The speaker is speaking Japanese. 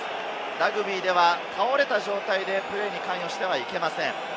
ラグビーでは倒れた状態でプレーに関与してはいけません。